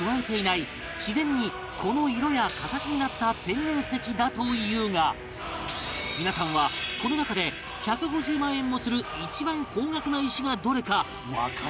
自然にこの色や形になった天然石だというが皆さんはこの中で１５０万円もする一番高額な石がどれかわかりますか？